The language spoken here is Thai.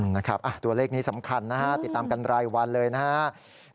นะครับตัวเลขนี้สำคัญนะฮะติดตามกันรายวันเลยนะครับ